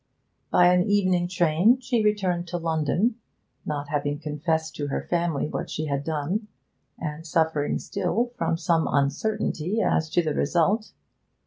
By an evening train she returned to London, not having confessed to her family what she had done, and suffering still from some uncertainty as to the result.